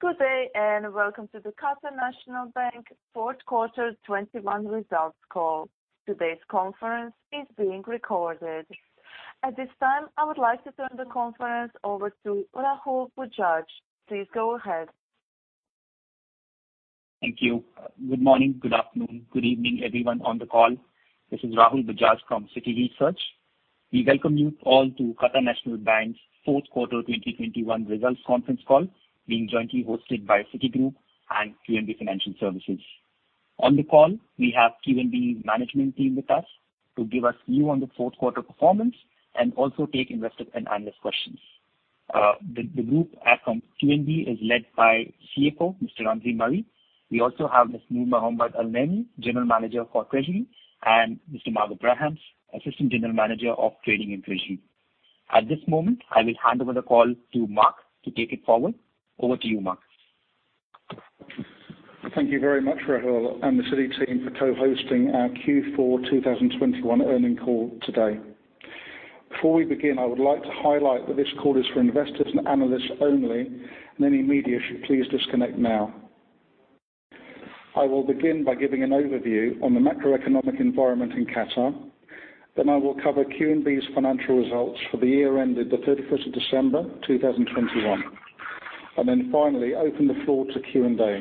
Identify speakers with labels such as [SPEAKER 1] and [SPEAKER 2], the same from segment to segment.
[SPEAKER 1] Good day. Welcome to the Qatar National Bank fourth quarter 2021 results call. Today's conference is being recorded. At this time, I would like to turn the conference over to Rahul Bajaj. Please go ahead.
[SPEAKER 2] Thank you. Good morning, good afternoon, good evening everyone on the call. This is Rahul Bajaj from Citigroup Research. We welcome you all to Qatar National Bank's fourth quarter 2021 results conference call, being jointly hosted by Citigroup and QNB Financial Services. On the call, we have QNB management team with us to give us view on the fourth quarter performance and also take investor and analyst questions. The group from QNB is led by CFO, Mr. Ramzi Mari. We also have Mr. Noor Mohamed Al-Naimi, General Manager of Treasury, and Mr. Mark Abrahams, Assistant General Manager of Trading and Treasury. At this moment, I will hand over the call to Mark to take it forward. Over to you, Mark.
[SPEAKER 3] Thank you very much, Rahul and the Citi team for co-hosting our Q4 2021 earnings call today. Before we begin, I would like to highlight that this call is for investors and analysts only. Any media should please disconnect now. I will begin by giving an overview on the macroeconomic environment in Qatar. I will cover QNB's financial results for the year ended the 31st of December 2021. Finally, open the floor to Q&A.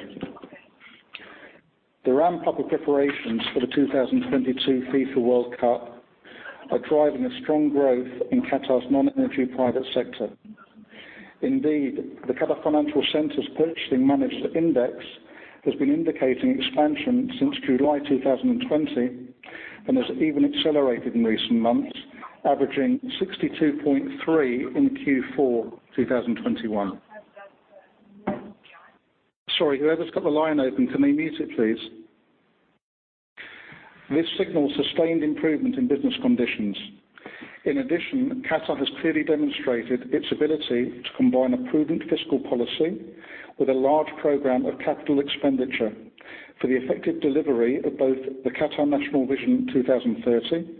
[SPEAKER 3] The ramp-up of preparations for the 2022 FIFA World Cup are driving a strong growth in Qatar's non-energy private sector. Indeed, the Qatar Financial Center's Purchasing Managers Index has been indicating expansion since July 2020 and has even accelerated in recent months, averaging 62.3 in Q4 2021. Sorry, whoever's got their line open, can they mute it, please? This signals sustained improvement in business conditions. Qatar has clearly demonstrated its ability to combine a prudent fiscal policy with a large program of capital expenditure for the effective delivery of both the Qatar National Vision 2030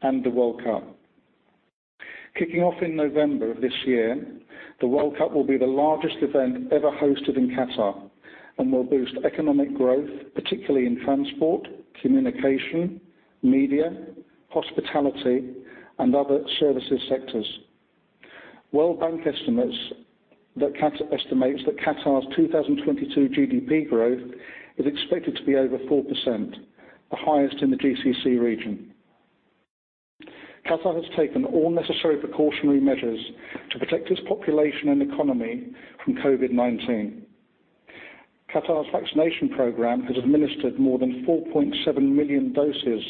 [SPEAKER 3] and the World Cup. Kicking off in November of this year, the World Cup will be the largest event ever hosted in Qatar and will boost economic growth, particularly in transport, communication, media, hospitality, and other services sectors. World Bank estimates that Qatar's 2022 GDP growth is expected to be over 4%, the highest in the GCC region. Qatar has taken all necessary precautionary measures to protect its population and economy from COVID-19. Qatar's vaccination program has administered more than 4.7 million doses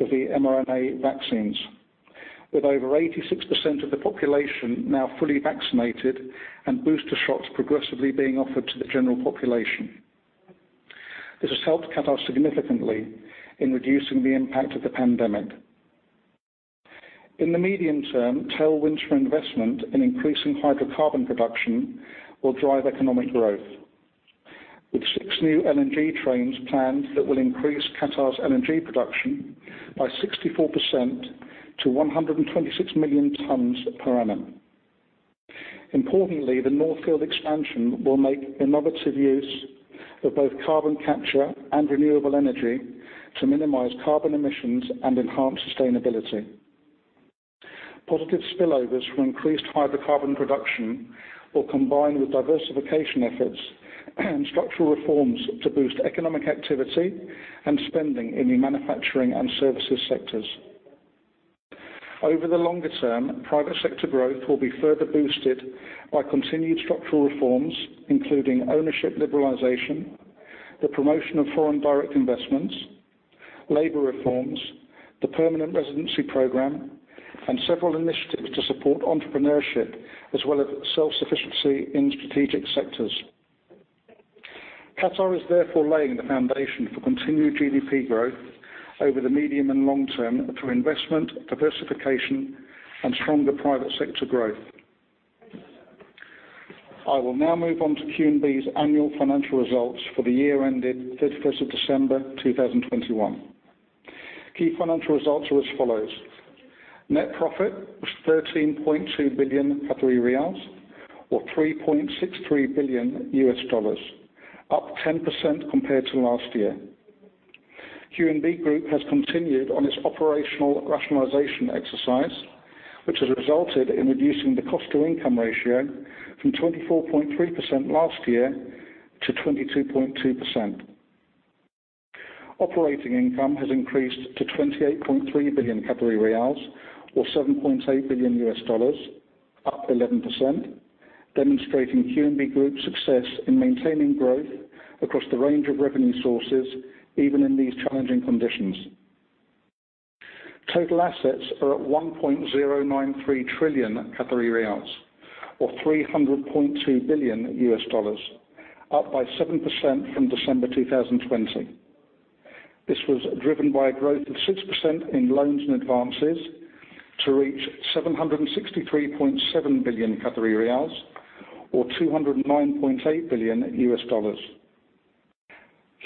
[SPEAKER 3] of the mRNA vaccines, with over 86% of the population now fully vaccinated and booster shots progressively being offered to the general population. This has helped Qatar significantly in reducing the impact of the pandemic. In the medium term, tailwinds from investment in increasing hydrocarbon production will drive economic growth, with six new LNG trains planned that will increase Qatar's LNG production by 64% to 126 million tons per annum. Importantly, the North Field expansion will make innovative use of both carbon capture and renewable energy to minimize carbon emissions and enhance sustainability. Positive spillovers from increased hydrocarbon production will combine with diversification efforts and structural reforms to boost economic activity and spending in the manufacturing and services sectors. Over the longer term, private sector growth will be further boosted by continued structural reforms, including ownership liberalization, the promotion of foreign direct investments, labor reforms, the permanent residency program, and several initiatives to support entrepreneurship, as well as self-sufficiency in strategic sectors. Qatar is therefore laying the foundation for continued GDP growth over the medium and long term through investment diversification and stronger private sector growth. I will now move on to QNB's annual financial results for the year ended 31st of December 2021. Key financial results are as follows. Net profit was 13.2 billion Qatari riyals, or $3.63 billion, up 10% compared to last year. QNB Group has continued on its operational rationalization exercise, which has resulted in reducing the cost-to-income ratio from 24.3% last year to 22.2%. Operating income has increased to 28.3 billion Qatari riyals, or $7.8 billion, up 11%, demonstrating QNB Group's success in maintaining growth across the range of revenue sources, even in these challenging conditions. Total assets are at 1.093 trillion Qatari riyals, or $300.2 billion, up by 7% from December 2020. This was driven by a growth of 6% in loans and advances to reach 763.7 billion Qatari riyals, or $209.8 billion.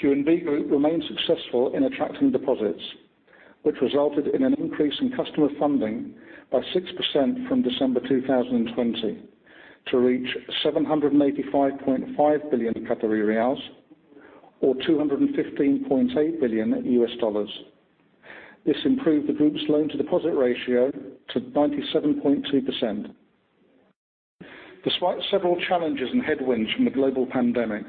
[SPEAKER 4] QNB Group remains successful in attracting deposits, which resulted in an increase in customer funding by 6% from December 2020 to reach 785.5 billion Qatari riyals, or QAR 215.8 billion. This improved the group's loan-to-deposit ratio to 97.2%. Despite several challenges and headwinds from the global pandemic,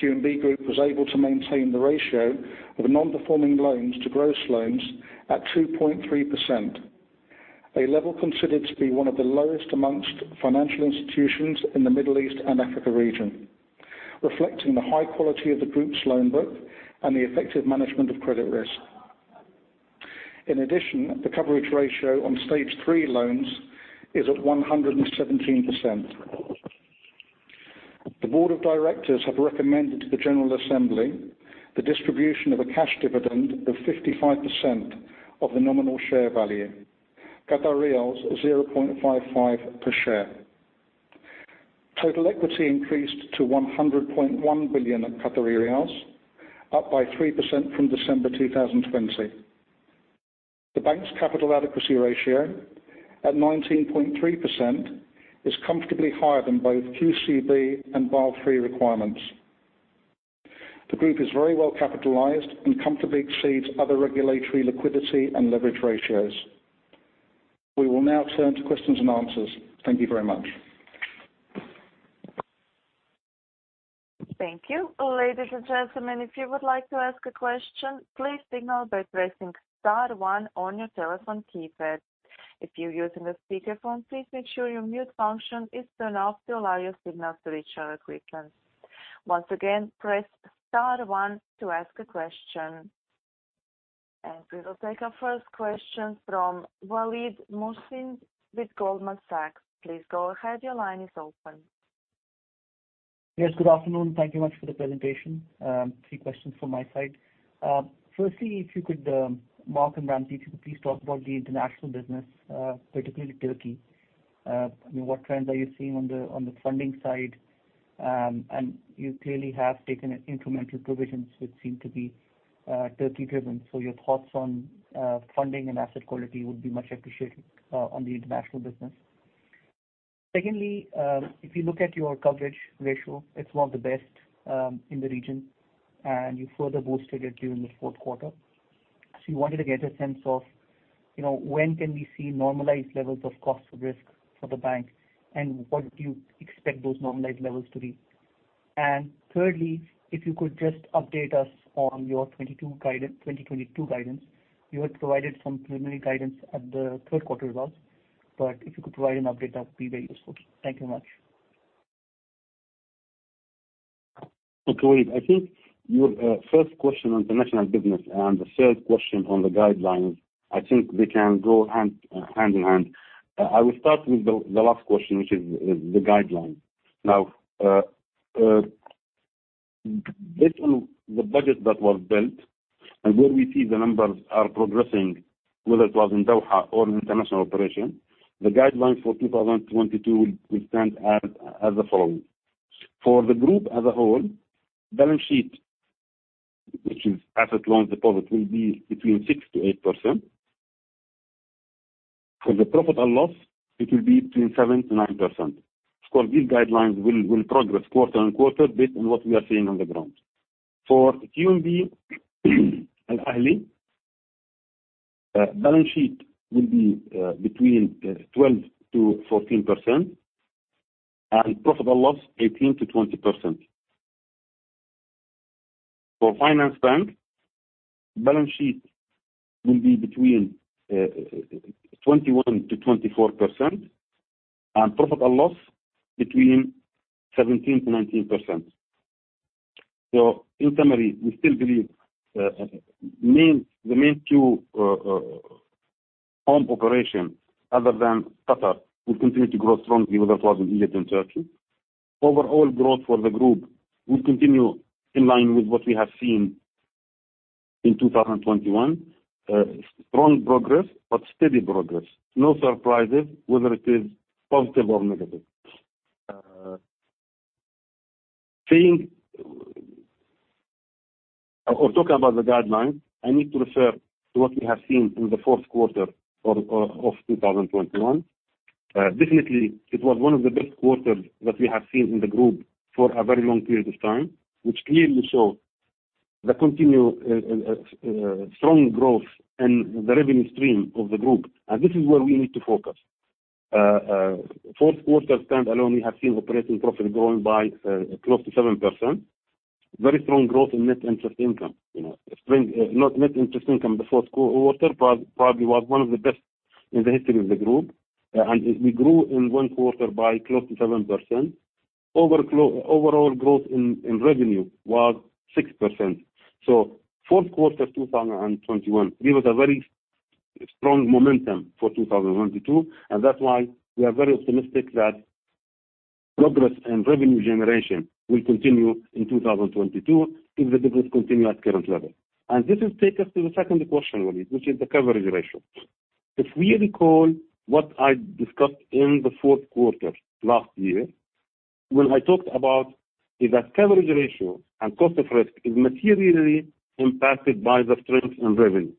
[SPEAKER 4] QNB Group was able to maintain the ratio of non-performing loans to gross loans at 2.3%, a level considered to be one of the lowest amongst financial institutions in the Middle East and Africa region, reflecting the high quality of the group's loan book and the effective management of credit risk. In addition, the coverage ratio on stage 3 loans is at 117%. The board of directors have recommended to the General Assembly the distribution of a cash dividend of 55% of the nominal share value, 0.55 per share. Total equity increased to 100.1 billion, up by 3% from December 2020. The bank's capital adequacy ratio, at 19.3%, is comfortably higher than both QCB and Basel III requirements. The group is very well capitalized and comfortably exceeds other regulatory liquidity and leverage ratios. We will now turn to questions and answers. Thank you very much.
[SPEAKER 1] Thank you. Ladies and gentlemen, if you would like to ask a question, please signal by pressing star one on your telephone keypad. If you're using a speakerphone, please make sure your mute function is turned off to allow your signal to reach our equipment. Once again, press star one to ask a question. We will take our first question from Waleed Mohsin with Goldman Sachs. Please go ahead. Your line is open.
[SPEAKER 5] Yes, good afternoon. Thank you much for the presentation. Three questions from my side. Firstly, if you could, Mark and Ramzi, if you could please talk about the international business, particularly Turkey. What trends are you seeing on the funding side? You clearly have taken incremental provisions, which seem to be Turkey driven. Your thoughts on funding and asset quality would be much appreciated on the international business. Secondly, if you look at your coverage ratio, it's one of the best in the region, and you further boosted it during the fourth quarter. We wanted to get a sense of when can we see normalized levels of cost of risk for the bank, and what do you expect those normalized levels to be? Thirdly, if you could just update us on your 2022 guidance. You had provided some preliminary guidance at the third quarter results, if you could provide an update, that would be very useful. Thank you much.
[SPEAKER 4] Waleed, I think your first question on international business and the third question on the guidelines, I think they can go hand in hand. I will start with the last question, which is the guideline. Based on the budget that was built and where we see the numbers are progressing, whether it was in Doha or international operation, the guidelines for 2022 will stand as the following. For the group as a whole, balance sheet, which is asset loans deposit, will be between 6%-8%. For the profit and loss, it will be between 7%-9%. Of course, these guidelines will progress quarter-on-quarter based on what we are seeing on the ground. For QNB Al Ahli, balance sheet will be between 12%-14%, and profit and loss, 18%-20%. For QNB Finansbank, balance sheet will be between 21%-24%, and profit and loss between 17%-19%. In summary, we still believe the main two home operations, other than Qatar, will continue to grow strongly, whether it was in Egypt or Turkey. Overall growth for the group will continue in line with what we have seen in 2021. Strong progress, but steady progress. No surprises whether it is positive or negative. Talking about the guidelines, I need to refer to what we have seen in the fourth quarter of 2021. Definitely, it was one of the best quarters that we have seen in the group for a very long period of time, which clearly shows the continued strong growth in the revenue stream of the group. This is where we need to focus. Fourth quarter stand alone, we have seen operating profit growing by close to 7%. Very strong growth in net interest income. Net interest income, the fourth quarter, probably was one of the best in the history of the group. We grew in one quarter by close to 7%. Overall growth in revenue was 6%. Fourth quarter 2021 give us a very strong momentum for 2022, and that's why we are very optimistic that progress and revenue generation will continue in 2022 if the group continue at current level. This will take us to the second question, Waleed, which is the coverage ratio. If we recall what I discussed in the fourth quarter last year, when I talked about the coverage ratio and cost of risk is materially impacted by the strength in revenue.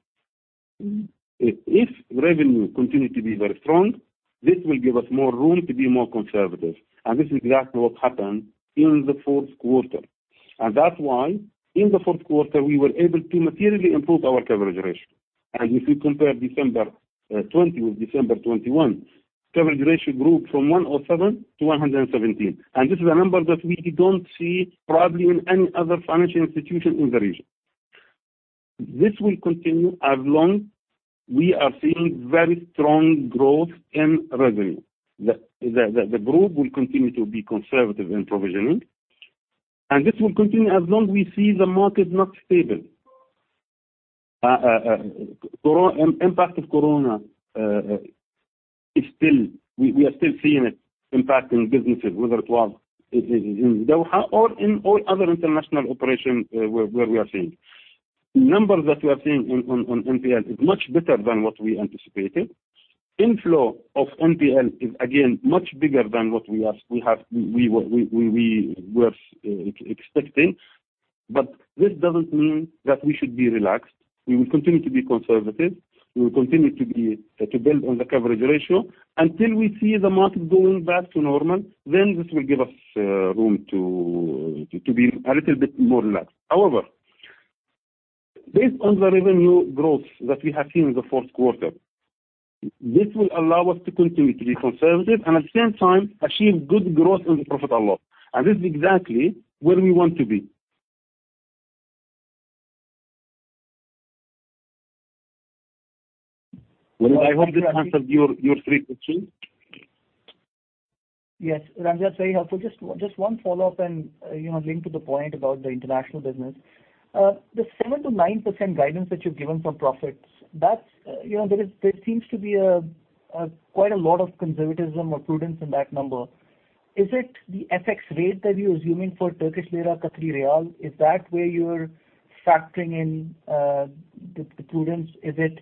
[SPEAKER 4] If revenue continue to be very strong, this will give us more room to be more conservative. This is exactly what happened in the fourth quarter. That's why in the fourth quarter, we were able to materially improve our coverage ratio. If you compare December 2020 with December 2021, coverage ratio grew from 107 to 117. This is a number that we don't see probably in any other financial institution in the region. This will continue as long we are seeing very strong growth in revenue. The group will continue to be conservative in provisioning, this will continue as long as we see the market not stable. Impact of Corona, we are still seeing it impacting businesses, whether it was in Doha or in all other international operations where we are seeing. Numbers that we are seeing on NPL is much better than what we anticipated. Inflow of NPL is again much bigger than what we were expecting. This doesn't mean that we should be relaxed. We will continue to be conservative. We will continue to build on the coverage ratio. Until we see the market going back to normal, then this will give us room to be a little bit more relaxed. However, based on the revenue growth that we have seen in the fourth quarter, this will allow us to continue to be conservative and at the same time achieve good growth in the profit a lot. This is exactly where we want to be. Waleed, I hope this answered your three questions.
[SPEAKER 5] Yes, Ramzi, that's very helpful. Just one follow-up and link to the point about the international business. The 7%-9% guidance that you've given for profits, there seems to be quite a lot of conservatism or prudence in that number. Is it the FX rate that you're assuming for Turkish lira, Qatari riyal? Is that where you're factoring in the prudence? Is it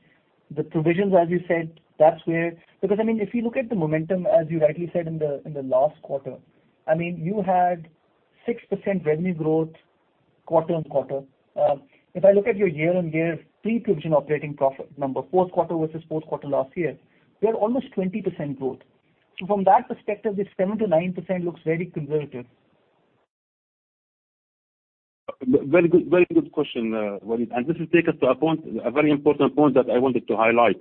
[SPEAKER 5] the provisions, as you said, that's where If you look at the momentum, as you rightly said in the last quarter, you had 6% revenue growth quarter-on-quarter. If I look at your year-on-year pre-provision operating profit number, fourth quarter versus fourth quarter last year, we are almost 20% growth. From that perspective, this 7%-9% looks very conservative.
[SPEAKER 4] Very good question, Waleed. This will take us to a very important point that I wanted to highlight.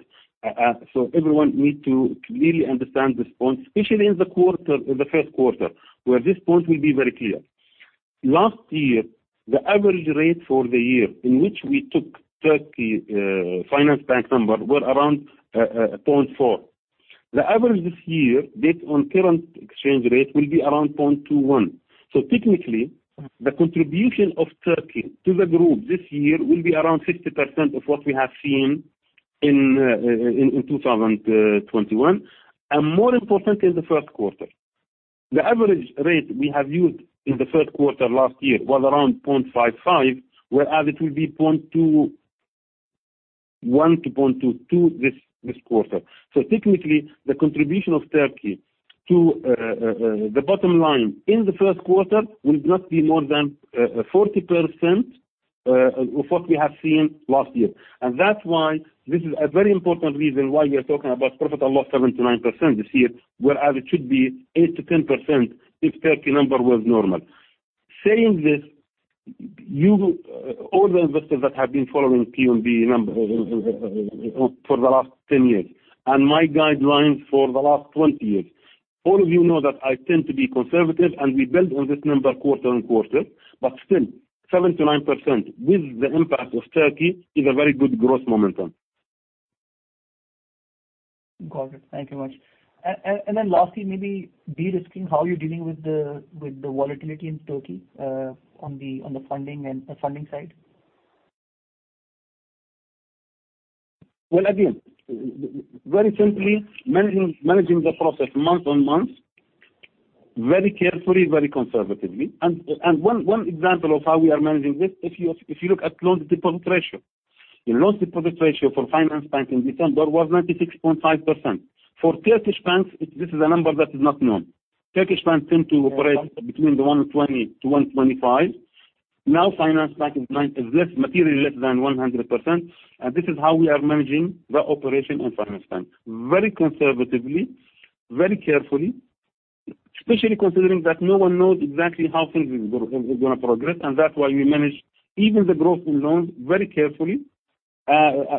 [SPEAKER 4] Everyone need to clearly understand this point, especially in the first quarter, where this point will be very clear. Last year, the average rate for the year in which we took QNB Finansbank number were around 0.4. The average this year, based on current exchange rate, will be around 0.21. Technically, the contribution of Turkey to the group this year will be around 50% of what we have seen in 2021, and more importantly, the first quarter. The average rate we have used in the first quarter last year was around 0.55, whereas it will be 0.21-0.22 this quarter. Technically, the contribution of Turkey to the bottom line in the first quarter will not be more than 40% of what we have seen last year. That's why this is a very important reason why we are talking about profit or loss 7%-9% this year, whereas it should be 8%-10% if Turkey number was normal. Saying this, all the investors that have been following QNB numbers for the last 10 years, my guidelines for the last 20 years, all of you know that I tend to be conservative and we build on this number quarter-on-quarter, still, 7%-9% with the impact of Turkey is a very good growth momentum.
[SPEAKER 5] Got it. Thank you much. Lastly, maybe de-risking, how you're dealing with the volatility in Turkey on the funding side?
[SPEAKER 4] Well, again, very simply, managing the process month-on-month, very carefully, very conservatively. One example of how we are managing this, if you look at loan-to-deposit ratio. The loan-to-deposit ratio for QNB Finansbank in December was 96.5%. For Turkish banks, this is a number that is not known. Turkish banks tend to operate between the 120-125. Now, QNB Finansbank is materially less than 100%. This is how we are managing the operation in QNB Finansbank. Very conservatively, very carefully, especially considering that no one knows exactly how things is going to progress, and that's why we manage even the growth in loans very carefully.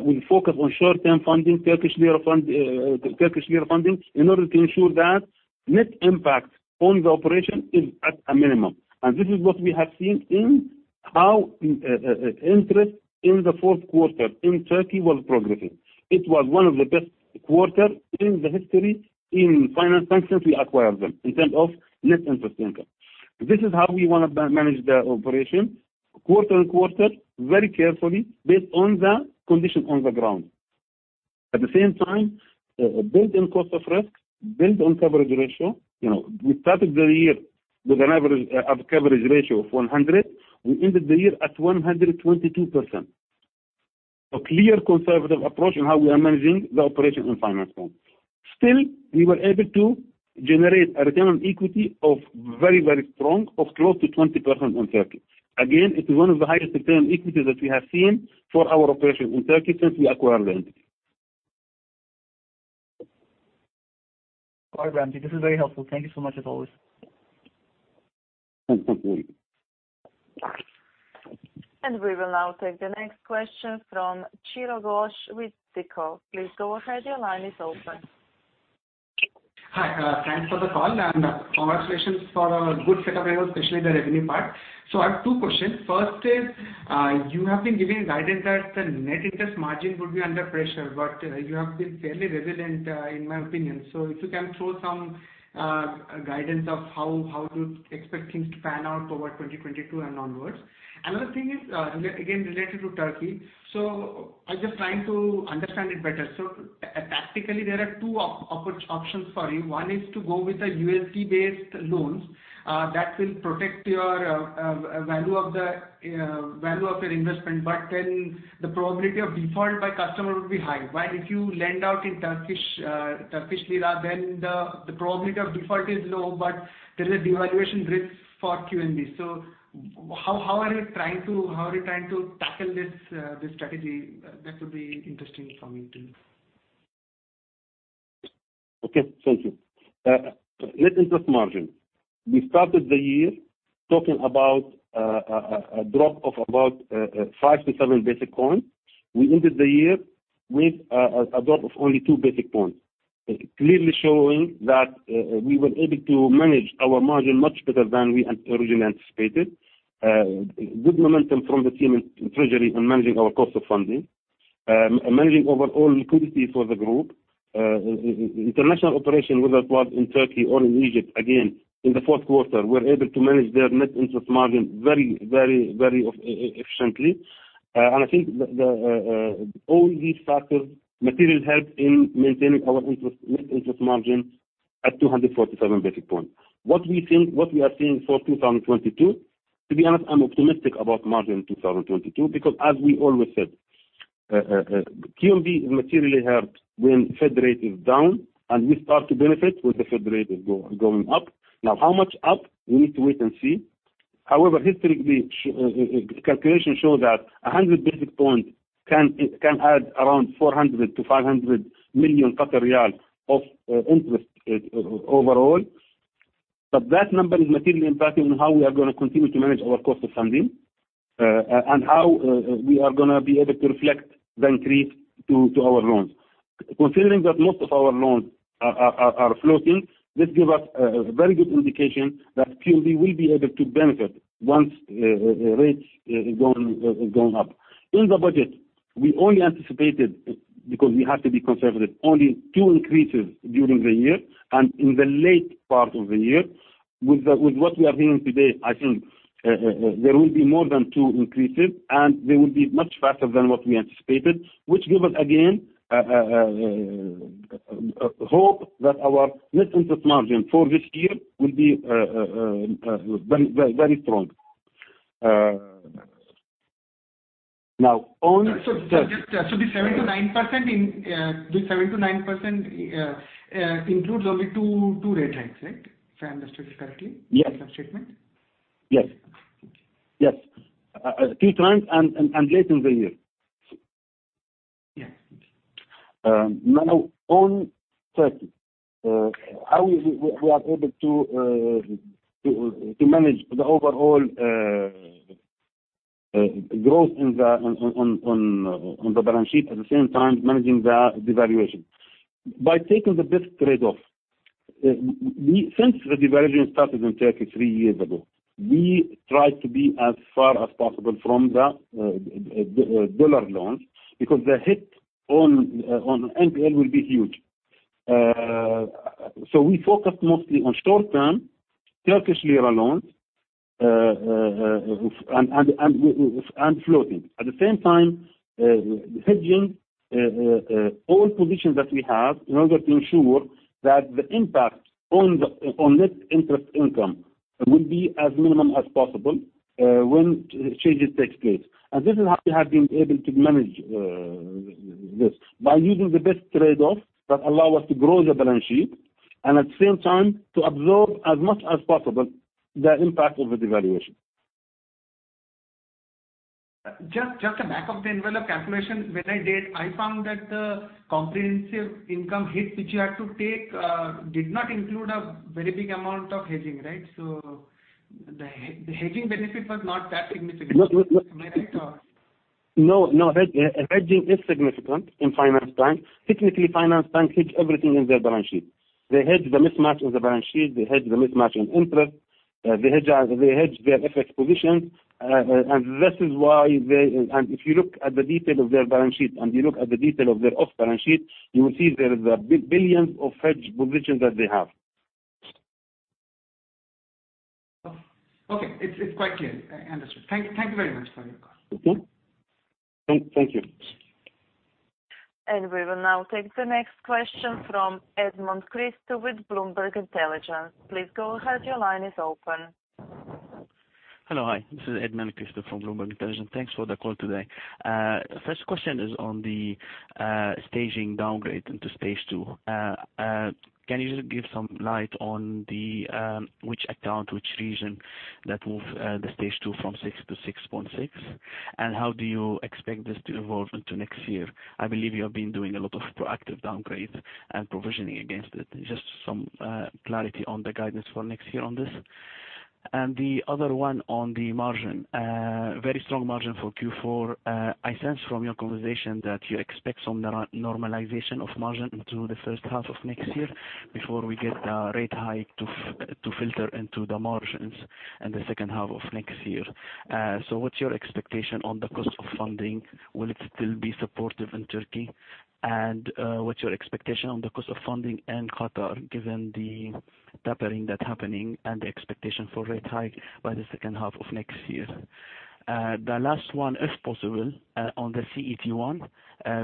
[SPEAKER 4] We focus on short-term funding, TRY funding, in order to ensure that net impact on the operation is at a minimum. This is what we have seen in how interest in the fourth quarter in Turkey was progressing. It was one of the best quarter in the history in QNB Finansbank since we acquired them in terms of net interest income. This is how we want to manage the operation quarter-on-quarter, very carefully based on the condition on the ground. At the same time, build in cost of risk, build on coverage ratio. We started the year with an average of coverage ratio of 100%. We ended the year at 122%. A clear conservative approach on how we are managing the operations in QNB Finansbank. Still, we were able to generate a return on equity of very strong, of close to 20% on Turkey. Again, it is one of the highest return equities that we have seen for our operations in Turkey since we acquired the entity.
[SPEAKER 5] All right, Ramzi. This is very helpful. Thank you so much, as always.
[SPEAKER 1] We will now take the next question from Chiradeep Ghosh with SICO. Please go ahead. Your line is open.
[SPEAKER 6] Hi. Thanks for the call and congratulations for our good set of levels, especially the revenue part. I have two questions. First is, you have been giving guidance that the net interest margin would be under pressure, but you have been fairly resilient, in my opinion. If you can throw some guidance of how to expect things to pan out over 2022 and onwards. Another thing is, again, related to Turkey. I am just trying to understand it better. Tactically, there are two options for you. One is to go with the USD-based loans. That will protect your value of your investment, but then the probability of default by customer would be high. While if you lend out in Turkish lira, then the probability of default is low, but there is a devaluation risk for QNB. How are you trying to tackle this strategy? That would be interesting for me to know.
[SPEAKER 4] Okay, thank you. Net interest margin. We started the year talking about a drop of about five to seven basic points. We ended the year with a drop of only two basic points, clearly showing that we were able to manage our margin much better than we originally anticipated. Good momentum from the team in treasury on managing our cost of funding, managing overall liquidity for the group. International operation, whether it was in Turkey or in Egypt, again, in the fourth quarter, we're able to manage their net interest margin very efficiently. I think all these factors materially helped in maintaining our net interest margin at 247 basic points. What we are seeing for 2022, to be honest, I'm optimistic about margin 2022, because as we always said, QNB is materially helped when Fed rate is down, and we start to benefit when the Fed rate is going up. How much up? We need to wait and see. However, historically, calculations show that 100 basis points can add around 400 million-500 million of interest overall. That number is materially impacting how we are going to continue to manage our cost of funding, and how we are going to be able to reflect the increase to our loans. Considering that most of our loans are floating, this give us a very good indication that QNB will be able to benefit once rates have gone up. In the budget, we only anticipated, because we have to be conservative, only two increases during the year, and in the late part of the year. With what we are hearing today, I think there will be more than two increases, and they will be much faster than what we anticipated, which give us, again, hope that our net interest margin for this year will be very strong.
[SPEAKER 6] The 7%-9% includes only two rate hikes, right?
[SPEAKER 4] Yes
[SPEAKER 6] The statement.
[SPEAKER 4] Yes.
[SPEAKER 6] Okay.
[SPEAKER 4] Yes. Two times, and late in the year.
[SPEAKER 6] Yes.
[SPEAKER 4] On Turkey, how we are able to manage the overall growth on the balance sheet, at the same time managing the devaluation. By taking the best trade-off. Since the devaluation started in Turkey three years ago, we tried to be as far as possible from the dollar loans, because the hit on NPL will be huge. We focused mostly on short-term Turkish lira loans, and floating. At the same time, hedging all positions that we have in order to ensure that the impact on net interest income will be as minimum as possible when changes takes place. This is how we have been able to manage this. By using the best trade-off that allow us to grow the balance sheet, and at the same time, to absorb as much as possible the impact of the devaluation.
[SPEAKER 6] Just a back-of-the-envelope calculation. When I did, I found that the comprehensive income hit which you had to take did not include a very big amount of hedging, right? The hedging benefit was not that significant. Am I right or?
[SPEAKER 4] No, hedging is significant in Finance Bank. Technically, Finance Bank hedge everything in their balance sheet. They hedge the mismatch in the balance sheet, they hedge the mismatch in interest, they hedge their FX positions. If you look at the detail of their balance sheet, and you look at the detail of their off-balance sheet, you will see there is billions of hedge positions that they have.
[SPEAKER 6] It's quite clear. Understood. Thank you very much for your call.
[SPEAKER 4] Okay. Thank you.
[SPEAKER 1] We will now take the next question from Edmond Christou with Bloomberg Intelligence. Please go ahead. Your line is open.
[SPEAKER 7] Hello. Hi, this is Edmond Christou from Bloomberg Intelligence. Thanks for the call today. First question is on the staging downgrade into Stage 2. Can you just give some light on which account, which region that moved the Stage 2 from 6%-6.6%? How do you expect this to evolve into next year? I believe you have been doing a lot of proactive downgrades and provisioning against it. Just some clarity on the guidance for next year on this. The other one on the margin. Very strong margin for Q4. I sense from your conversation that you expect some normalization of margin into the first half of next year before we get the rate hike to filter into the margins in the second half of next year. What's your expectation on the cost of funding? Will it still be supportive in Turkey? What's your expectation on the cost of funding in Qatar, given the tapering that's happening and the expectation for rate hike by the second half of next year? The last one, if possible, on the CET1.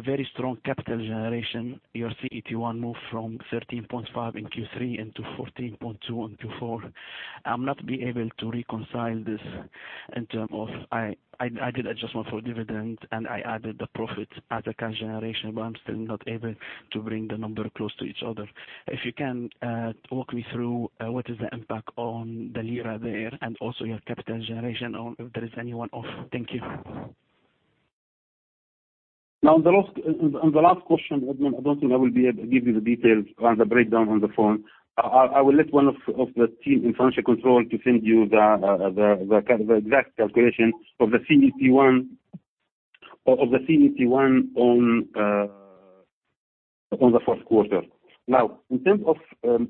[SPEAKER 7] Very strong capital generation. Your CET1 moved from 13.5 in Q3 into 14.2 in Q4. I'm not able to reconcile this in terms of I did an adjustment for dividend, and I added the profit as a cash generation, but I'm still not able to bring the number close to each other. If you can, walk me through, what is the impact on the lira there, and also your capital generation on, if there is anyone of. Thank you.
[SPEAKER 4] On the last question, Edmond, I don't think I will be able to give you the details on the breakdown on the phone. I will let one of the team in financial control to send you the exact calculation of the CET1 on the first quarter. Now, in terms of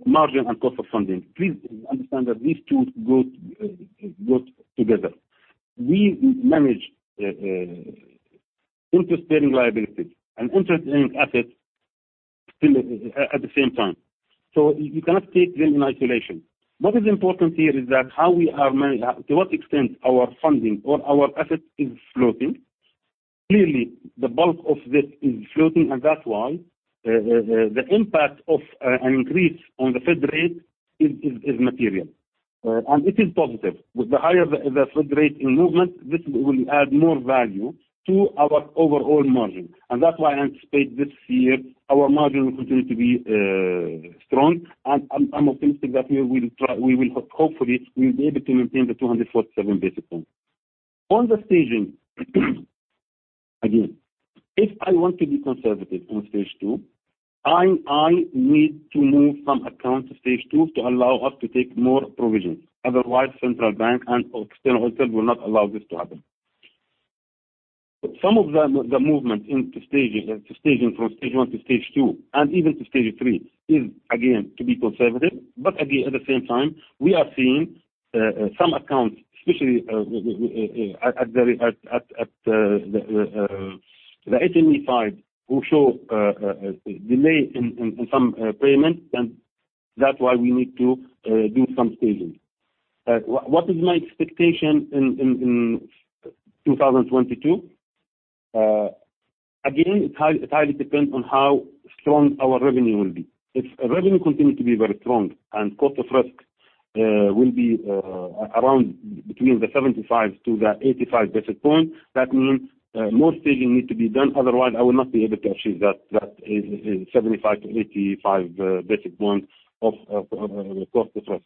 [SPEAKER 4] margin and cost of funding, please understand that these two go together. We manage interest-bearing liabilities and interest-earning assets at the same time, so you cannot take them in isolation. What is important here is to what extent our funding or our assets is floating. Clearly, the bulk of this is floating, and that's why the impact of an increase on the Fed rate is material. It is positive. With the higher the Fed rate in movement, this will add more value to our overall margin. That's why I anticipate this year our margin will continue to be strong, and I'm optimistic that we will hopefully be able to maintain the 247 basis points. On the staging again, if I want to be conservative on Stage 2, I need to move some accounts to Stage 2 to allow us to take more provisions. Otherwise, central bank and external audit will not allow this to happen. Some of the movement into staging from Stage 1 to Stage 2, and even to Stage 3, is again, to be conservative. Again, at the same time, we are seeing some accounts, especially at the SME side, who show delay in some payments, and that's why we need to do some staging. What is my expectation in 2022? Again, it highly depends on how strong our revenue will be. If revenue continues to be very strong and cost of risk will be between the 75 to the 85 basis points, that means more staging needs to be done. Otherwise, I will not be able to achieve that 75 to 85 basis points of cost of risk.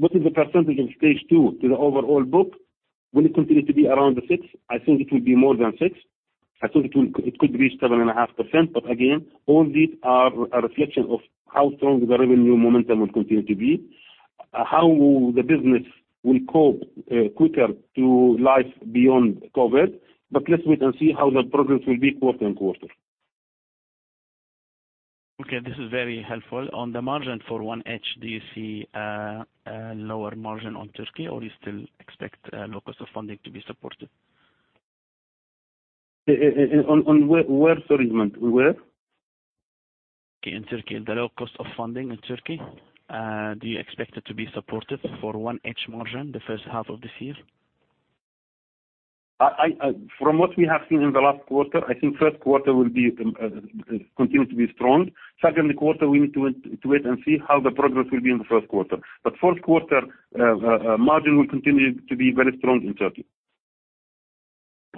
[SPEAKER 4] What is the percentage of Stage 2 to the overall book? Will it continue to be around the six? I think it will be more than six. I think it could reach 7.5%. Again, all these are a reflection of how strong the revenue momentum will continue to be, how the business will cope quicker to life beyond COVID. Let's wait and see how the progress will be quarter on quarter.
[SPEAKER 7] Okay. This is very helpful. On the margin for 1H, do you see a lower margin on Turkey, or you still expect low cost of funding to be supported?
[SPEAKER 4] Where, sorry, Edmond? Where?
[SPEAKER 7] Okay, in Turkey. The low cost of funding in Turkey, do you expect it to be supported for 1H margin the first half of this year?
[SPEAKER 4] From what we have seen in the last quarter, I think first quarter will continue to be strong. Second quarter, we need to wait and see how the progress will be in the first quarter. Fourth quarter margin will continue to be very strong in Turkey.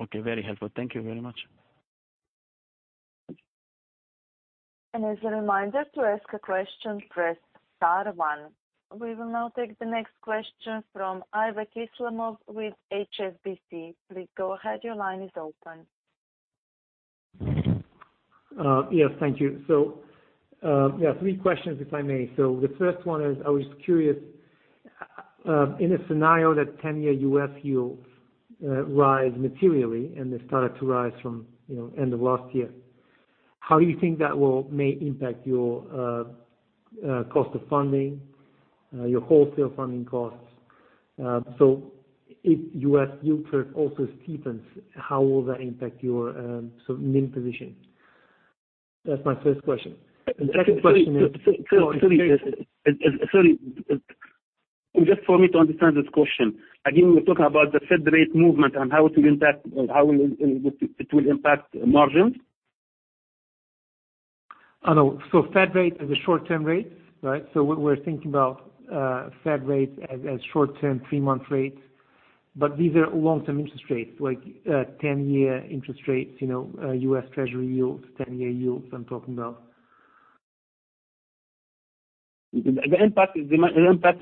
[SPEAKER 7] Okay. Very helpful. Thank you very much.
[SPEAKER 1] As a reminder, to ask a question, press star one. We will now take the next question from Aybek Islamov with HSBC. Please go ahead. Your line is open.
[SPEAKER 8] Yes. Thank you. Three questions, if I may. The first one is, I was curious, in a scenario that 10-year U.S. yields rise materially, and they started to rise from end of last year, how you think that may impact your cost of funding, your wholesale funding costs? If U.S. yield curve also steepens, how will that impact your NIM position? That's my first question. The second question is-
[SPEAKER 4] Sorry. Just for me to understand this question, again, we're talking about the Fed rate movement and how it will impact margins?
[SPEAKER 8] No. Fed rate is a short-term rate, right? We're thinking about Fed rate as short-term three-month rates. These are long-term interest rates, like 10-year interest rates, U.S. Treasury yields, 10-year yields I'm talking about.
[SPEAKER 4] The impact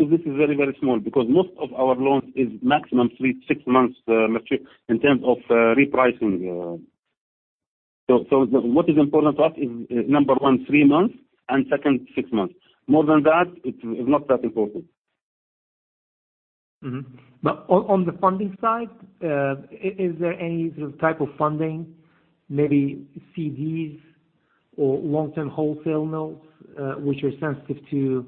[SPEAKER 4] of this is very small, because most of our loans is maximum three to six months mature in terms of repricing. What is important to us is, number 1, three months, and second, six months. More than that, it's not that important.
[SPEAKER 8] On the funding side, is there any type of funding, maybe CDs or long-term wholesale notes, which are sensitive to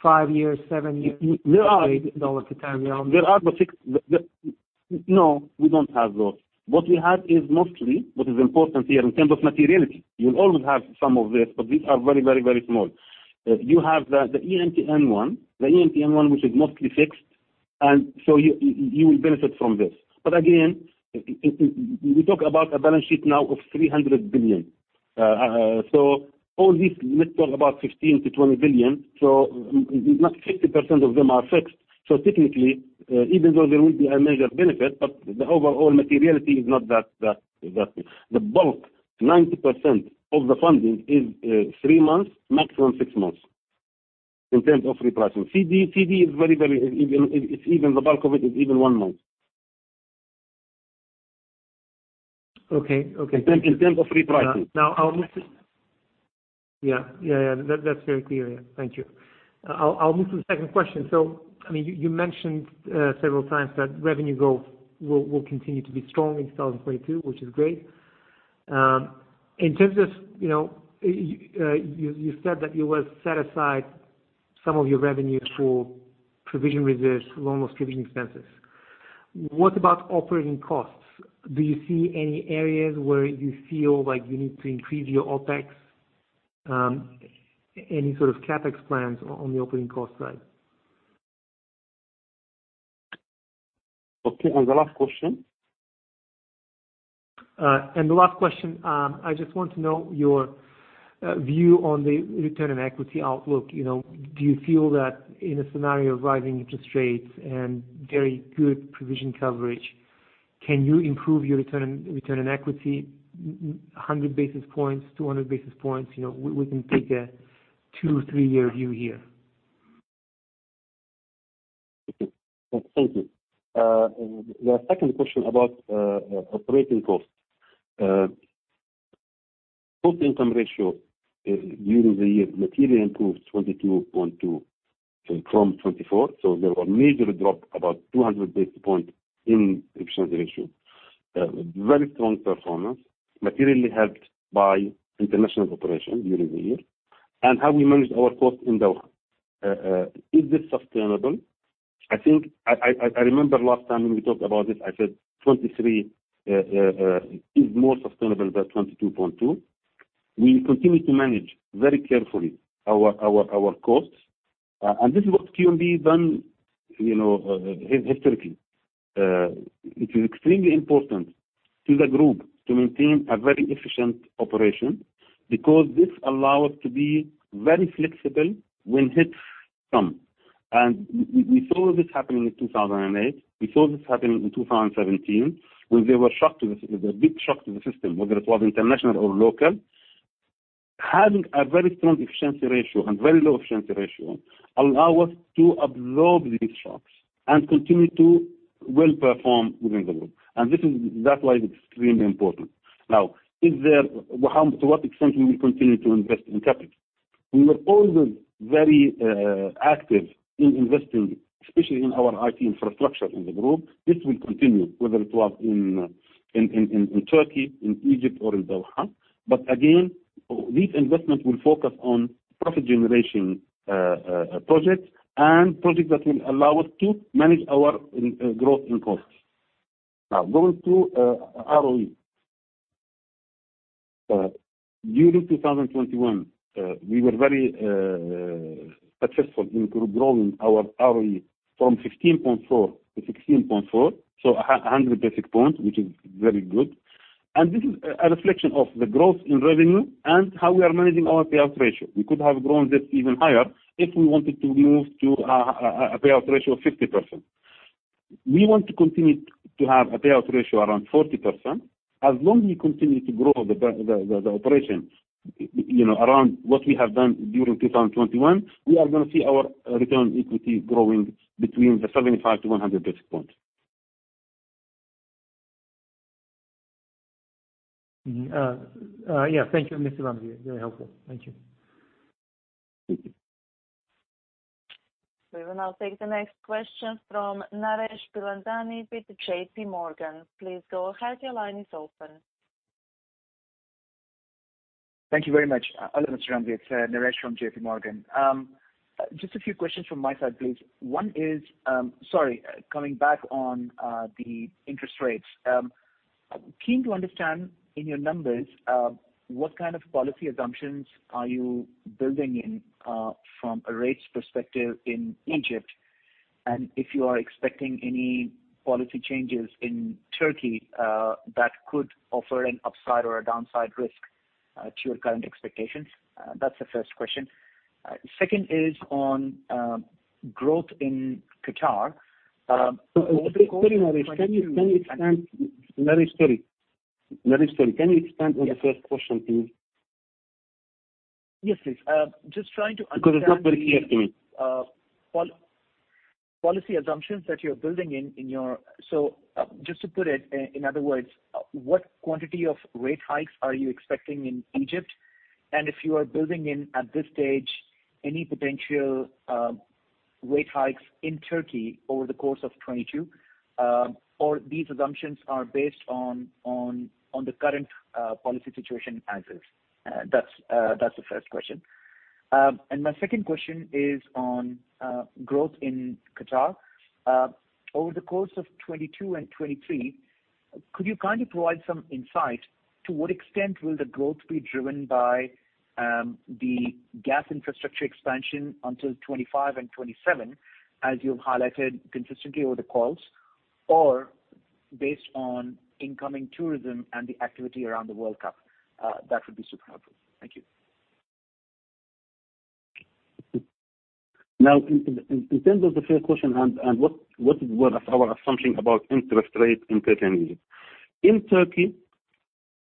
[SPEAKER 8] five years, seven years, QAR 10-
[SPEAKER 4] There are-
[SPEAKER 8] QAR.
[SPEAKER 4] No, we don't have those. What we have is mostly what is important here in terms of materiality. You'll always have some of this, but these are very small. You have the EMTN one which is mostly fixed, you will benefit from this. Again, we talk about a balance sheet now of 300 billion. All this, let's talk about 15 billion-20 billion. Not 50% of them are fixed. Technically, even though there will be a major benefit, but the overall materiality is not that big. The bulk, 90% of the funding is three months, maximum six months in terms of repricing. CD, the bulk of it is even one month.
[SPEAKER 8] Okay.
[SPEAKER 4] In terms of repricing.
[SPEAKER 8] Yeah. That's very clear. Thank you. I'll move to the second question. You mentioned several times that revenue growth will continue to be strong in 2022, which is great. You said that you will set aside some of your revenues for provision reserves, loan loss provision expenses. What about operating costs? Do you see any areas where you feel like you need to increase your OpEx? Any sort of CapEx plans on the operating cost side?
[SPEAKER 4] Okay. The last question.
[SPEAKER 8] The last question, I just want to know your view on the return on equity outlook. Do you feel that in a scenario of rising interest rates and very good provision coverage, can you improve your return on equity, 100 basis points, 200 basis points? We can take a two, three-year view here.
[SPEAKER 4] Okay. Thank you. The second question about operating costs. cost-to-income ratio during the year materially improved 22.2 from 24, so there was a major drop, about 200 basis points in efficiency ratio. Very strong performance, materially helped by international operations during the year. How we managed our cost in Doha. Is this sustainable? I remember last time when we talked about this, I said 23 is more sustainable than 22.2. We will continue to manage very carefully our costs, and this is what QNB has done historically. It is extremely important to the group to maintain a very efficient operation because this allow us to be very flexible when hits come. We saw this happening in 2008. We saw this happening in 2017, when there was a big shock to the system, whether it was international or local. Having a very strong efficiency ratio and very low efficiency ratio allow us to absorb these shocks and continue to well-perform within the group. That's why it's extremely important. Now, to what extent we will continue to invest in CapEx? We were always very active in investing, especially in our IT infrastructure in the group. This will continue, whether it was in Turkey, in Egypt, or in Doha. Again, this investment will focus on profit-generating projects and projects that will allow us to manage our growth in costs. Now, going to ROE. During 2021, we were very successful in growing our ROE from 15.4 to 16.4, so 100 basis points, which is very good. This is a reflection of the growth in revenue and how we are managing our payout ratio. We could have grown this even higher if we wanted to move to a payout ratio of 50%. We want to continue to have a payout ratio around 40%. As long we continue to grow the operation around what we have done during 2021, we are going to see our return on equity growing between the 75 to 100 basis points.
[SPEAKER 8] Mm-hmm. Yeah. Thank you, Mr. Al-Ramahi. Very helpful. Thank you.
[SPEAKER 4] Thank you.
[SPEAKER 1] We will now take the next question from Naresh Bilandani with JPMorgan. Please go ahead. Your line is open.
[SPEAKER 9] Thank you very much, Alastair. It's Naresh from JPMorgan. Just a few questions from my side, please. Sorry, coming back on the interest rates. Keen to understand in your numbers, what kind of policy assumptions are you building in from a rates perspective in Egypt? If you are expecting any policy changes in Turkey that could offer an upside or a downside risk to your current expectations? That's the first question. Second is on growth in Qatar.
[SPEAKER 4] Sorry, Naresh, sorry. Can you expand on the first question, please?
[SPEAKER 9] Yes, please. Just trying to understand.
[SPEAKER 4] Because it's not very clear to me
[SPEAKER 9] policy assumptions that you're building in. Just to put it in other words, what quantity of rate hikes are you expecting in Egypt? If you are building in, at this stage, any potential rate hikes in Turkey over the course of 2022, or these assumptions are based on the current policy situation as is? That's the first question. My second question is on growth in Qatar. Over the course of 2022 and 2023, could you kindly provide some insight to what extent will the growth be driven by the gas infrastructure expansion until 2025 and 2027, as you've highlighted consistently over the calls, or based on incoming tourism and the activity around the World Cup? That would be super helpful. Thank you.
[SPEAKER 4] In terms of the first question and what is our assumption about interest rate in Turkey and Egypt. In Turkey,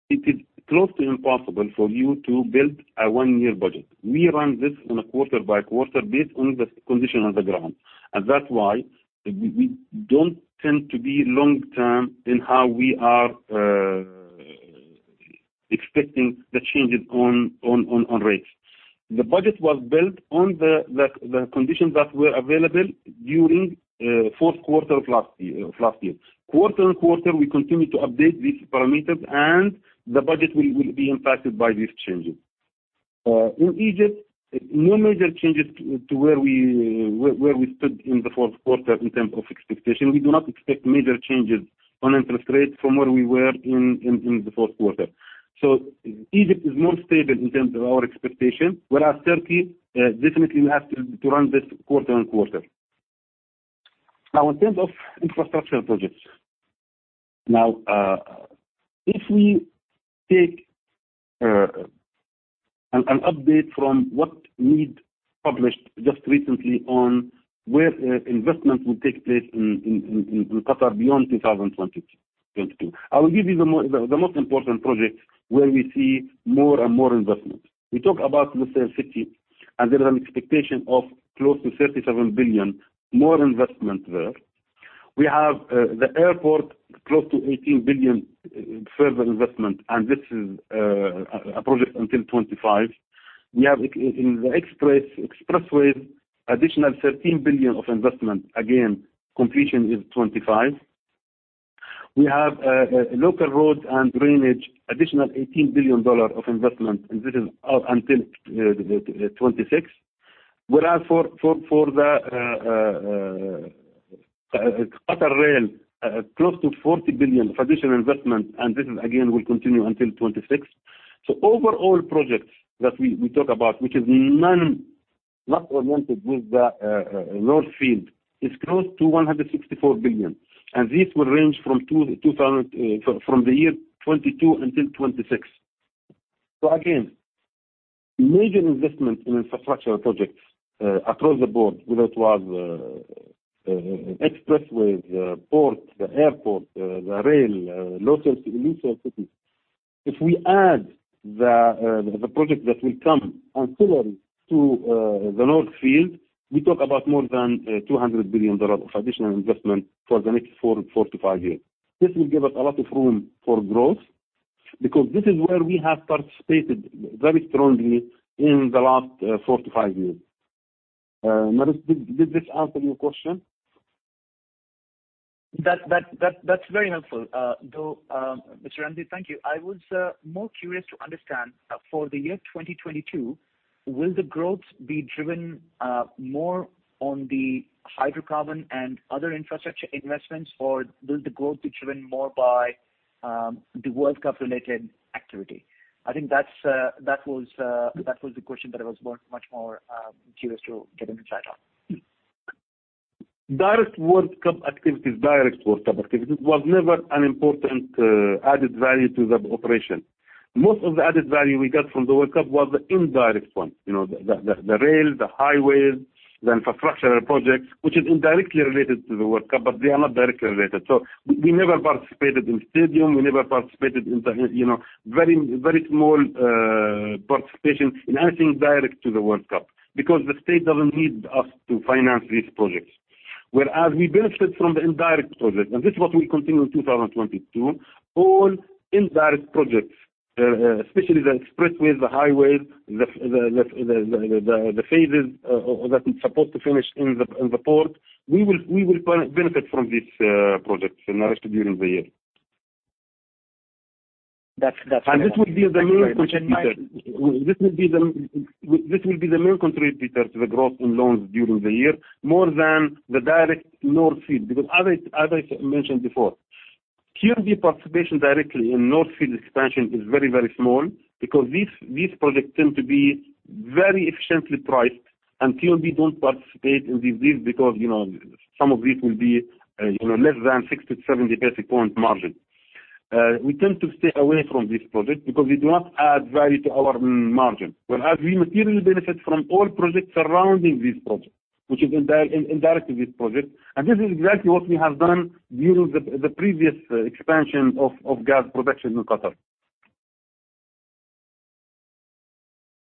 [SPEAKER 4] it is close to impossible for you to build a one-year budget. We run this on a quarter by quarter based on the condition on the ground. That's why we don't tend to be long-term in how we are expecting the changes on rates. The budget was built on the conditions that were available during fourth quarter of last year. Quarter on quarter, we continue to update these parameters and the budget will be impacted by these changes. In Egypt, no major changes to where we stood in the fourth quarter in terms of expectation. We do not expect major changes on interest rates from where we were in the fourth quarter. Egypt is more stable in terms of our expectation, whereas Turkey, definitely we have to run this quarter on quarter. In terms of infrastructure projects. If we take an update from what MEED published just recently on where investment will take place in Qatar beyond 2022. I will give you the most important projects where we see more and more investment. We talk about Lusail City, and there is an expectation of close to 37 billion more investment there. We have the airport, close to 18 billion further investment, and this is a project until 2025. We have in the expressway, additional 13 billion of investment. Again, completion is 2025. We have local road and drainage, additional QAR 18 billion of investment, and this is out until 2026. Whereas for the Qatar Rail, close to 40 billion of additional investment, and this again will continue until 2026. Projects that we talk about, which is not oriented with the North Field, is close to 164 billion. This will range from the year 2022 until 2026. Again, major investment in infrastructure projects across the board, whether it was the expressways, the port, the airport, the rail, Lusail City. If we add the project that will come ancillary to the North Field, we talk about more than QAR 200 billion of additional investment for the next 4 to 5 years. This will give us a lot of room for growth because this is where we have participated very strongly in the last 4 to 5 years. Naresh, did this answer your question?
[SPEAKER 9] That's very helpful, Mr. Andy. Thank you. I was more curious to understand for the year 2022, will the growth be driven more on the hydrocarbon and other infrastructure investments, or will the growth be driven more by the World Cup-related activity? I think that was the question that I was much more curious to get an insight on.
[SPEAKER 4] Direct World Cup activities was never an important added value to the operation. Most of the added value we got from the World Cup was the indirect one. The rail, the highways, the infrastructure projects, which is indirectly related to the World Cup, but they are not directly related. We never participated in stadium. Very small participation in anything direct to the World Cup because the state doesn't need us to finance these projects. Whereas we benefit from the indirect project, this is what will continue in 2022. All indirect projects, especially the expressways, the highways, the phases that is supposed to finish in the port, we will benefit from these projects the rest during the year.
[SPEAKER 9] That's fair.
[SPEAKER 4] This will be the main contributor to the growth in loans during the year, more than the direct North Field. As I mentioned before, QNB participation directly in North Field expansion is very small, because these projects tend to be very efficiently priced. QNB don't participate in these deals because some of these will be less than 60-70 basis point margin. We tend to stay away from this project because we do not add value to our margin. We materially benefit from all projects surrounding this project, which is indirectly this project. This is exactly what we have done during the previous expansion of gas production in Qatar.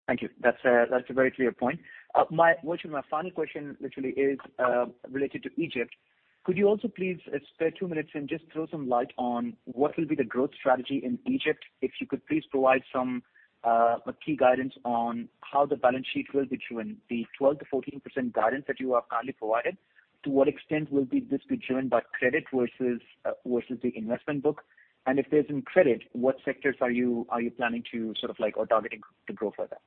[SPEAKER 9] Thank you. That's a very clear point. Moachie, my final question literally is related to Egypt. Could you also please spare two minutes and just throw some light on what will be the growth strategy in Egypt? If you could please provide some key guidance on how the balance sheet will be driven, the 12%-14% guidance that you have kindly provided. To what extent will this be driven by credit versus the investment book? If there's in credit, what sectors are you planning to, sort of like, or targeting to grow further?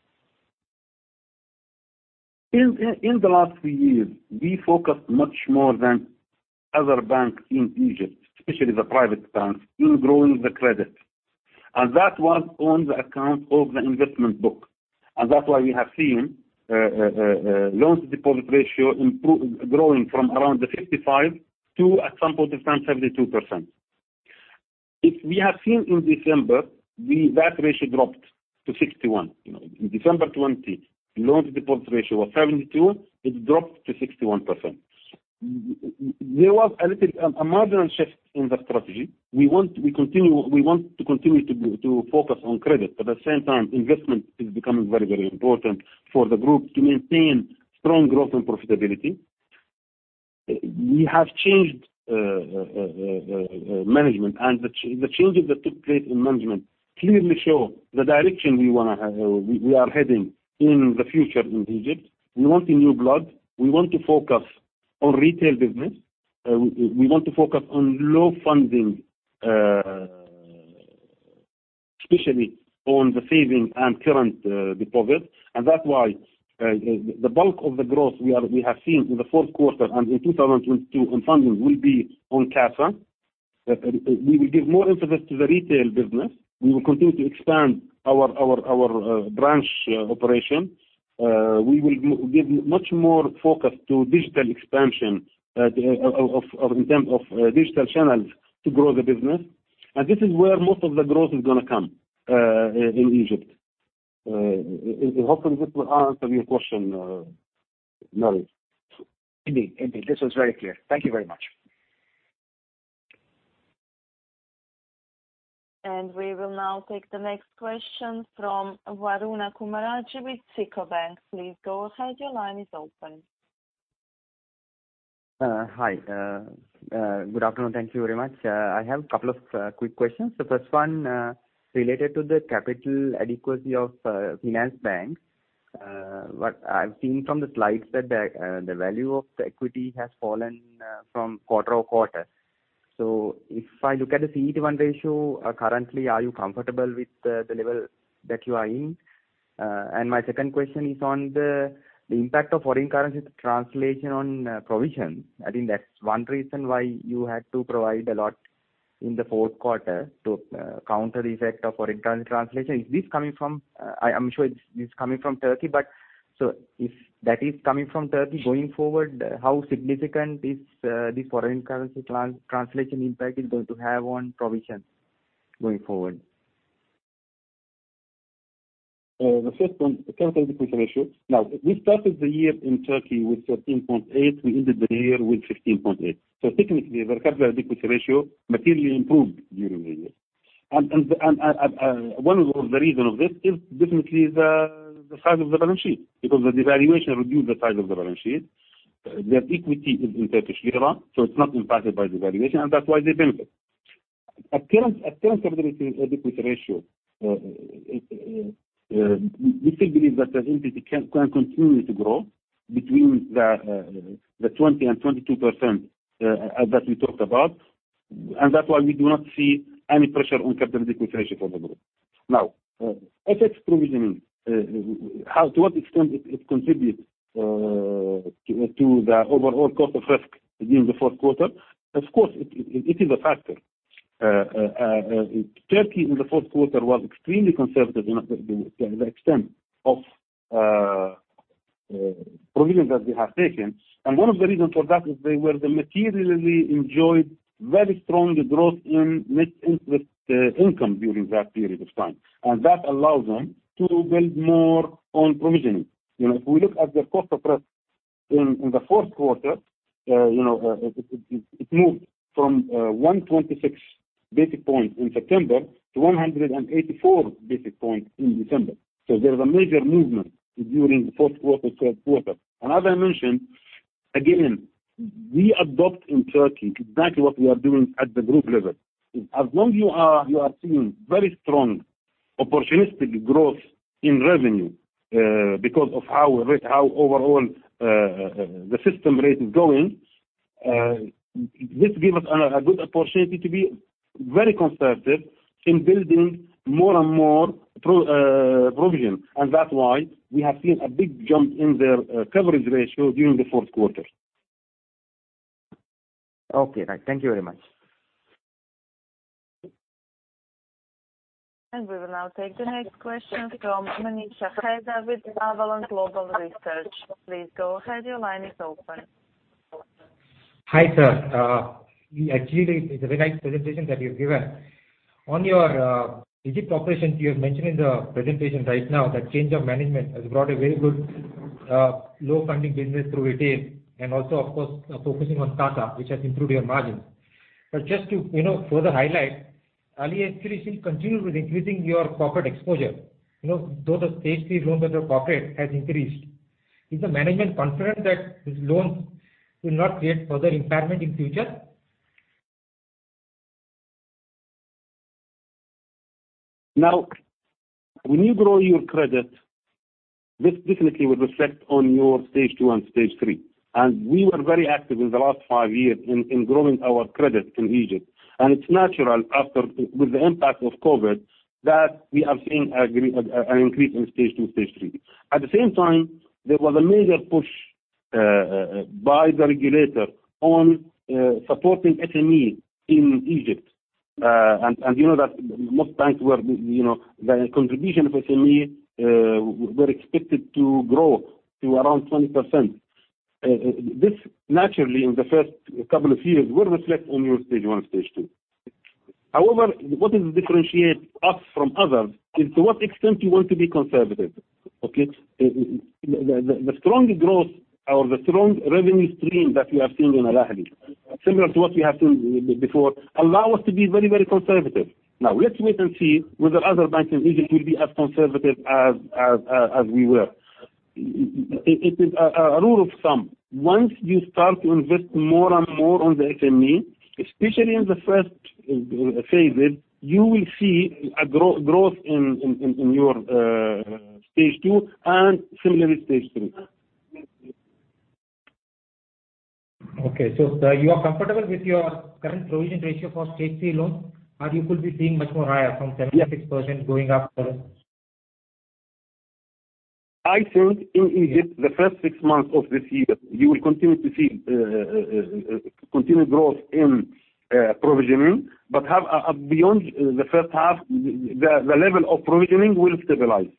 [SPEAKER 4] In the last few years, we focused much more than other banks in Egypt, especially the private banks, in growing the credit. That was on the account of the investment book. That's why we have seen loan-to-deposit ratio growing from around 55% to, at some point, around 72%. If we have seen in December, that ratio dropped to 61%. In December 2020, loan-to-deposit ratio was 72%, it dropped to 61%. There was a little, a marginal shift in that strategy. We want to continue to focus on credit, but at the same time, investment is becoming very important for the group to maintain strong growth and profitability. We have changed management. The changes that took place in management clearly show the direction we are heading in the future in Egypt. We want in new blood. We want to focus on retail business. We want to focus on low funding, especially on the savings and current deposits. That's why the bulk of the growth we have seen in the fourth quarter and in 2022 in funding will be on CASA. We will give more emphasis to the retail business. We will continue to expand our branch operation. We will give much more focus to digital expansion, in term of digital channels to grow the business. This is where most of the growth is going to come in Egypt. Hopefully, this will answer your question, Naris.
[SPEAKER 9] Indeed. This was very clear. Thank you very much.
[SPEAKER 1] We will now take the next question from Waruna Kumarage with SICO Bank. Please go ahead. Your line is open.
[SPEAKER 10] Hi. Good afternoon. Thank you very much. I have couple of quick questions. The first one, related to the capital adequacy of QNB Finansbank. What I've seen from the slides, that the value of the equity has fallen from quarter to quarter. If I look at the CET1 ratio currently, are you comfortable with the level that you are in? My second question is on the impact of foreign currency translation on provisions. I think that's one reason why you had to provide a lot in the fourth quarter to counter the effect of foreign currency translation. If that is coming from Turkey, going forward, how significant is this foreign currency translation impact is going to have on provisions going forward?
[SPEAKER 4] The first one, capital adequacy ratio. We started the year in Turkey with 13.8. We ended the year with 15.8. Technically, the capital adequacy ratio materially improved during the year. One of the reason of this is definitely the size of the balance sheet, because the devaluation reduced the size of the balance sheet. Their equity is in Turkish lira, so it's not impacted by devaluation, and that's why they benefit. At current capital adequacy ratio, we still believe that as entity can continue to grow between the 20% and 22% that we talked about. That's why we do not see any pressure on capital adequacy ratio for the group. Excess provisioning, to what extent it contributes to the overall cost of risk during the fourth quarter? Of course, it is a factor. Turkey in the fourth quarter was extremely conservative in the extent of provisioning that they have taken. One of the reasons for that is they were materially enjoyed very strong growth in net interest income during that period of time. That allows them to build more on provisioning. If we look at their cost of risk in the fourth quarter, it moved from 126 basic points in September to 184 basic points in December. There is a major movement during the fourth quarter, third quarter. As I mentioned, again, we adopt in Turkey exactly what we are doing at the group level. As long you are seeing very strong opportunistic growth in revenue because of how overall the system rate is going. This give us a good opportunity to be very conservative in building more and more provision. That's why we have seen a big jump in their coverage ratio during the fourth quarter.
[SPEAKER 11] Okay. Thank you very much.
[SPEAKER 1] We will now take the next question from Manish Akeza with Avalon Global Research. Please go ahead, your line is open.
[SPEAKER 12] Hi, sir. Actually, it's a very nice presentation that you've given. On your Egypt operations, you have mentioned in the presentation right now that change of management has brought a very good low-funding business through ATM and also, of course, focusing on CASA, which has improved your margins. Just to further highlight, Ali, you seem continued with increasing your corporate exposure. Those are Stage 3 loans that your corporate has increased. Is the management confident that these loans will not create further impairment in future?
[SPEAKER 4] Now, when you grow your credit, this definitely will reflect on your Stage 2 and Stage 3. We were very active in the last five years in growing our credit in Egypt. It's natural with the impact of COVID-19, that we are seeing an increase in Stage 2, Stage 3. At the same time, there was a major push by the regulator on supporting SMEs in Egypt. You know that most banks, the contribution of SME were expected to grow to around 20%. This naturally, in the first couple of years, will reflect on your Stage 1, Stage 2. However, what differentiate us from others is to what extent you want to be conservative. Okay? The strong growth or the strong revenue stream that we are seeing in Alahli, similar to what we have seen before, allow us to be very, very conservative. Now, let's wait and see whether other banks in Egypt will be as conservative as we were. It is a rule of thumb. Once you start to invest more and more on the SME, especially in the first phase, you will see a growth in your Stage 2 and similarly Stage 3.
[SPEAKER 12] Okay. You are comfortable with your current provision ratio for Stage 3 loans, or you could be seeing much more higher from 76% going after?
[SPEAKER 4] I think in Egypt, the first six months of this year, you will continue to see continued growth in provisioning. Beyond the first half, the level of provisioning will stabilize.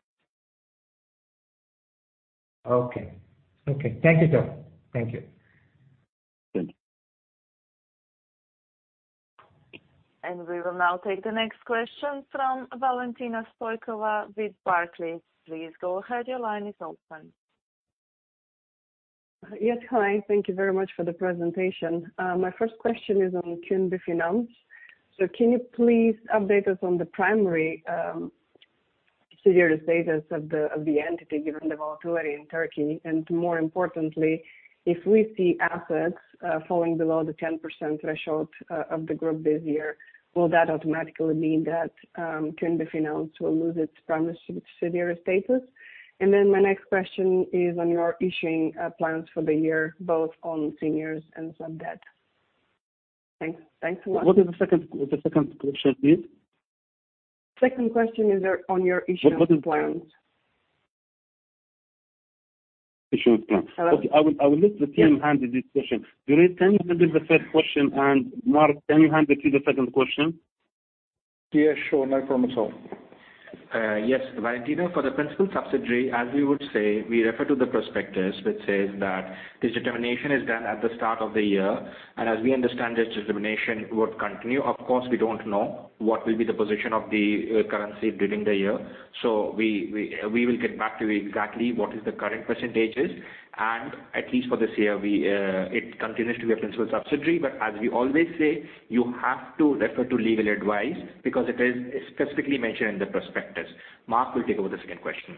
[SPEAKER 12] Okay. Thank you, sir. Thank you.
[SPEAKER 4] Thank you.
[SPEAKER 1] We will now take the next question from Valentina Stoykova with Barclays. Please go ahead, your line is open.
[SPEAKER 13] Yes. Hi, thank you very much for the presentation. My first question is on QNB Finans. Can you please update us on the primary subsidiary status of the entity given the volatility in Turkey? More importantly, if we see assets falling below the 10% threshold of the group this year, will that automatically mean that QNB Finans will lose its primary subsidiary status? My next question is on your issuing plans for the year, both on seniors and sub debt. Thanks a lot.
[SPEAKER 4] What is the second question, please?
[SPEAKER 13] Second question is on your issuance plans.
[SPEAKER 4] Issuance plans.
[SPEAKER 13] Hello?
[SPEAKER 4] Okay. I will let the team handle this question. Durraiz, can you handle the first question, and Mark, can you handle the second question?
[SPEAKER 3] Yeah, sure. No problem at all.
[SPEAKER 11] Yes, Valentina. For the principal subsidiary, as we would say, we refer to the prospectus, which says that this determination is done at the start of the year. As we understand, this determination would continue. Of course, we don't know what will be the position of the currency during the year. We will get back to you exactly what is the current percentages. At least for this year, it continues to be a principal subsidiary. As we always say, you have to refer to legal advice because it is specifically mentioned in the prospectus. Mark will take over the second question.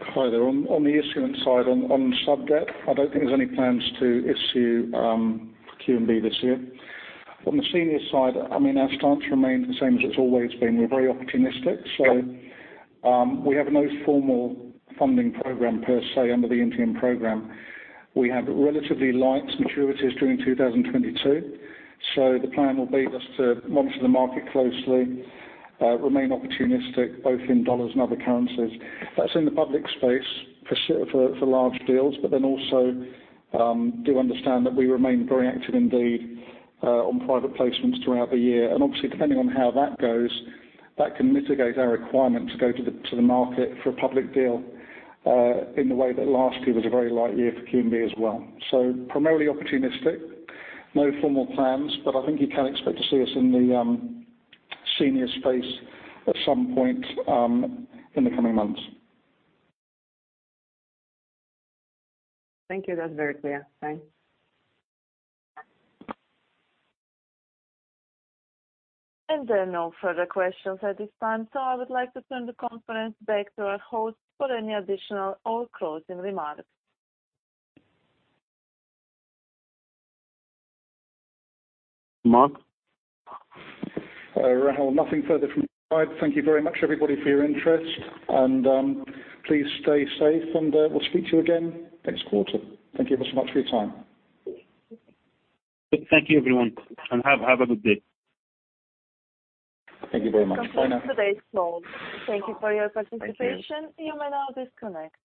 [SPEAKER 3] Hi there. On the issuance side, on sub-debt, I don't think there's any plans to issue QNB this year. On the senior side, our stance remains the same as it's always been. We're very opportunistic. We have no formal funding program per se under the MTN program. We have relatively light maturities during 2022. The plan will be just to monitor the market closely, remain opportunistic, both in dollars and other currencies. That's in the public space for large deals. Also, do understand that we remain very active indeed, on private placements throughout the year. Obviously, depending on how that goes, that can mitigate our requirement to go to the market for a public deal, in the way that last year was a very light year for QNB as well. Primarily opportunistic, no formal plans, but I think you can expect to see us in the senior space at some point in the coming months.
[SPEAKER 13] Thank you. That's very clear. Thanks.
[SPEAKER 1] There are no further questions at this time, I would like to turn the conference back to our host for any additional or closing remarks.
[SPEAKER 4] Mark?
[SPEAKER 3] Rahul, nothing further from my side. Thank you very much, everybody, for your interest. Please stay safe, and we'll speak to you again next quarter. Thank you ever so much for your time.
[SPEAKER 4] Thank you, everyone, and have a good day.
[SPEAKER 11] Thank you very much. Bye now.
[SPEAKER 1] Conference today is closed. Thank you for your participation. You may now disconnect.